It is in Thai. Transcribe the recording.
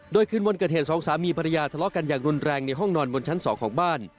โดยคืนวันเกิดเหตุสองสามีภรรยาทะเลาะกันอย่างรุนแรงในห้องนอนบนชั้น๒ของบ้าน